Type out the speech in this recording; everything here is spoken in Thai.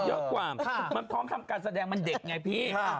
เยอะกว่ามันพร้อมทำการแสดงมันเด็กไงพี่